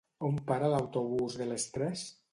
On para l'autobús de les tres?